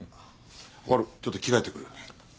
小春ちょっと着替えてくる。